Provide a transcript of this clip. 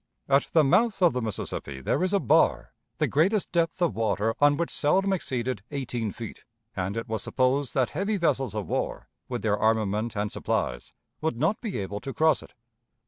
At the mouth of the Mississippi there is a bar, the greatest depth of water on which seldom exceeded eighteen feet, and it was supposed that heavy vessels of war, with their armament and supplies, would not be able to cross it.